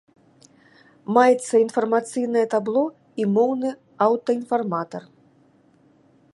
Маецца інфармацыйнае табло і моўны аўтаінфарматар.